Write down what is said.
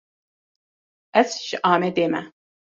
Ez ji Amedê me.